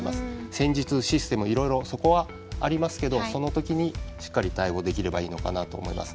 戦術、システムいろいろ、そこはありますがその時にしっかり対応できればいいのかなと思います。